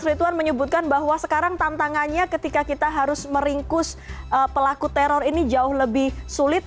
rituan menyebutkan bahwa sekarang tantangannya ketika kita harus meringkus pelaku teror ini jauh lebih sulit